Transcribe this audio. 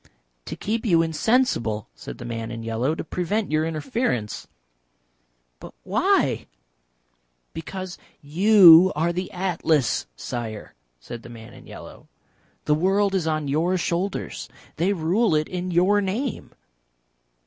"To keep you insensible," said the man in yellow. "To prevent your interference." "But why?" "Because you are the Atlas, Sire," said the man in yellow. "The world is on your shoulders. They rule it in your name."